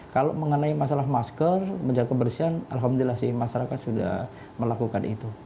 kalau mengenai masalah masker menjaga kebersihan alhamdulillah sih masyarakat sudah melakukan itu